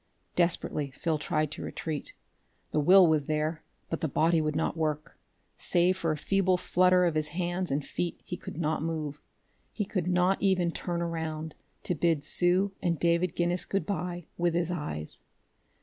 Desperately Phil tried to retreat. The will was there, but the body would not work. Save for a feeble flutter of his hands and feet, he could not move. He could not even turn around to bid Sue and David Guinness good by with his eyes....